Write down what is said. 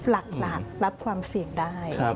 หลักรับความเสี่ยงได้